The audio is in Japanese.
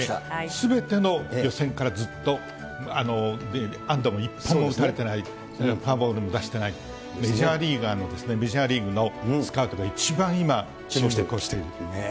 すべての予選からずっと、安打も一本も打たれてない、フォアボールも出してない、メジャーリーガーの、メジャーリーグのスカウトが一番今注目をしている。